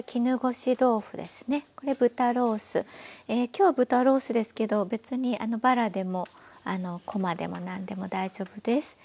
今日は豚ロースですけど別にばらでもこまでも何でも大丈夫です。